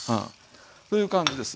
そういう感じですわ。